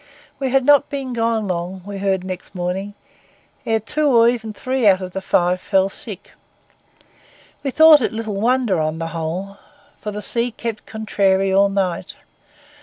We had not been gone long, we heard next morning, ere two or even three out of the five fell sick. We thought it little wonder on the whole, for the sea kept contrary all night.